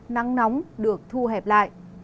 nắng nóng được thu hẹp lại